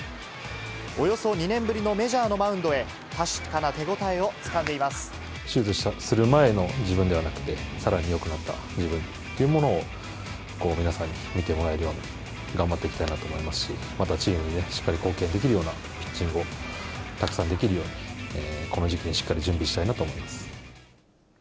およそ２年ぶりのメジャーのマウンドへ、手術する前の自分ではなくて、さらによくなった自分というものを皆さんに見てもらえるように、頑張っていきたいと思いますし、またチームにしっかり貢献できるようなピッチングをたくさんできるように、この時期にしっかり準備したいなと思います。